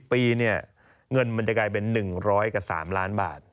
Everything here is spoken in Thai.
ปีเนี่ยเงินมันจะกลายเป็น๑๐๐กับ๓ล้านบาท